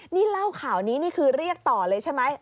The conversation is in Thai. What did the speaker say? นี่เล่าข่าวนี้นี่คือเรียกต่อเลยใช่ไหม